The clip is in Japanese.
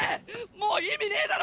もう意味ねぇだろ